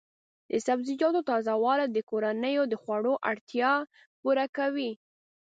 د سبزیجاتو تازه والي د کورنیو خوړو اړتیا پوره کوي.